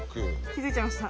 気づいちゃいました？